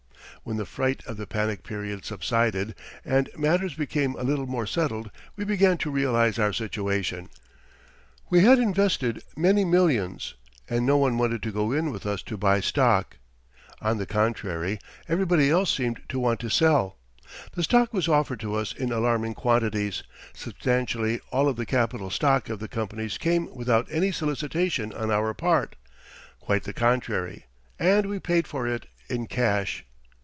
When the fright of the panic period subsided, and matters became a little more settled, we began to realize our situation. We had invested many millions, and no one wanted to go in with us to buy stock. On the contrary, everybody else seemed to want to sell. The stock was offered to us in alarming quantities substantially all of the capital stock of the companies came without any solicitation on our part quite the contrary and we paid for it in cash.